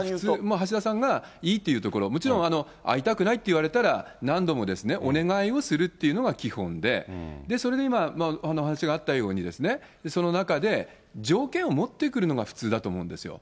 橋田さんがいいっていう所、もちろん会いたくないって言われたら、何度もお願いをするというのが基本で、それで今、お話があったようにですね、その中で、条件を持ってくるのが普通だと思うんですよ。